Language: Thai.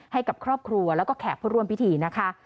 ให้กับครอบครัวแล้วก็แขกผู้ร่วมพิธีนะคะ